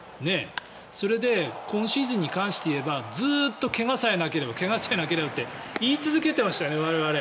それで今シーズンに関して言えばずっと怪我さえなければ怪我さえなければって言い続けてましたよね、我々。